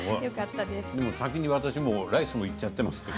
先に私ライスもいっています。